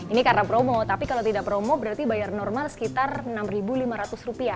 ini karena promo tapi kalau tidak promo berarti bayar normal sekitar rp enam lima ratus